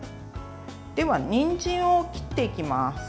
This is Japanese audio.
では、にんじんを切っていきます。